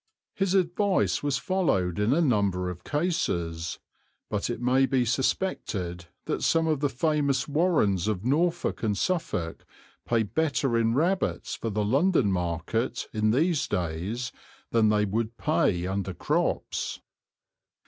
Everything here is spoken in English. His advice was followed in a number of cases, but it may be suspected that some of the famous warrens of Norfolk and Suffolk pay better in rabbits for the London market in these days than they would pay under crops.